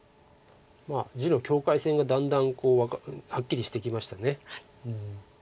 地の境界線がだんだんはっきりしてきました。